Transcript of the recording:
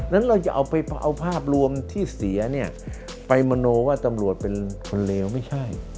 นั้นเราจะเอาไปเอาภาพรวมที่เสียเนี่ยไปมโนว่าตำรวจเป็นคนเลวไม่ใช่